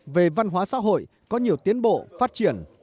về văn hóa xã hội có nhiều tiến bộ phát triển